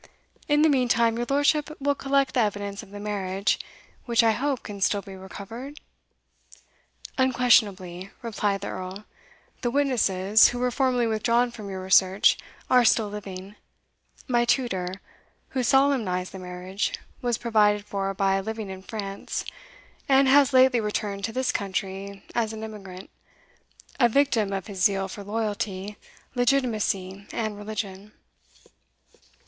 In the meantime your lordship will collect the evidence of the marriage, which I hope can still be recovered?" "Unquestionably," replied the Earl: "the witnesses, who were formerly withdrawn from your research, are still living. My tutor, who solemnized the marriage, was provided for by a living in France, and has lately returned to this country as an emigrant, a victim of his zeal for loyalty, legitimacy, and religion."